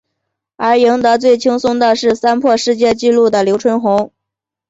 而赢得最轻松的是三破世界纪录的刘春红。